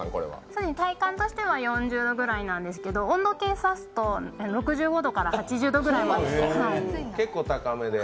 体感としては４０度ぐらいなんですけど、温度計をさすと６５度から８５度ぐらいまで。